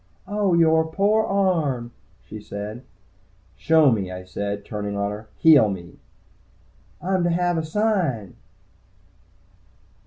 "Oh, yore pore arm," she said. "Show me," I said, turning on her. "Heal me!" "I'm to have a sign!"